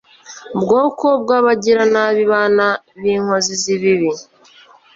bwoko bw'abagiranabi, bana b'inkozi z'ibibi